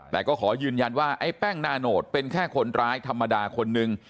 แต่ก็ขอยืนยันว่าไอ้แป้งนาโนตเป็นแค่คนร้ายธรรมดาคนนึง